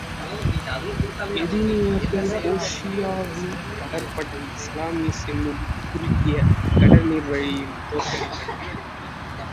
எதினியர்கள் பெர்ஷியாவின் கடற்படைச் சாலமிஸ் என்னும் குறுகிய கடல் நீர் வழியில் தோற்கடித்தனர்.